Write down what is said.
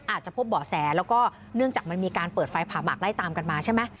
อาจจะพบเบาะแสแล้วก็เนื่องจากมันมีการเปิดไฟผ่าหมากไล่ตามกันมาใช่ไหม